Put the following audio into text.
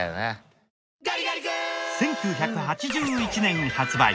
１９８１年発売